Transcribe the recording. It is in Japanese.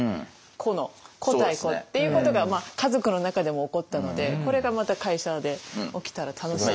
個の個対個っていうことが家族の中でも起こったのでこれがまた会社で起きたら楽しいですよね。